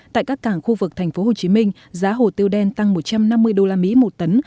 tại các cảng khu vực thành phố hồ chí minh giá hồ tiêu đen tăng một trăm năm mươi usd một tấn